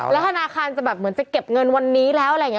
ธนาคารจะแบบเหมือนจะเก็บเงินวันนี้แล้วอะไรอย่างนี้